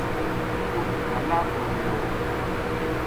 اُت وَلا کو ڈیرو